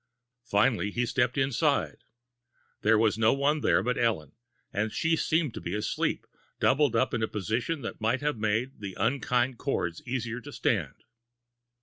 Finally, he stepped inside. There was no one there but Ellen, and she seemed to be asleep, doubled up in a position that might have made the unkind cords easier to stand.